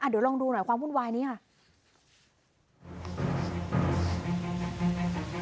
เดี๋ยวลองดูหน่อยความวุ่นวายนี้ค่ะ